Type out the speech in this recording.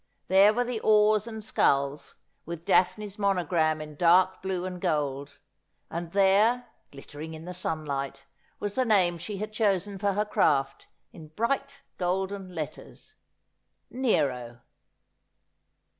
There were the oars and sculls, with Daphne's monogram in dark blue and gold ; and there, glittering in the sunlight, was the name she had chosen for her craft, in bright golden letters — Nero.